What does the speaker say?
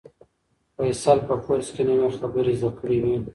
فیصل په کورس کې نوې خبرې زده کړې وې.